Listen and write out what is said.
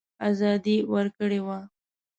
آزادي ورکړې وه.